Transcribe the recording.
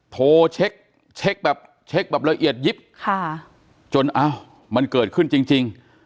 โทรเช็กแบบละเอียดยิบจนเอ้ามันเกิดขึ้นจริง